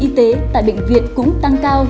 y tế tại bệnh viện cũng tăng cao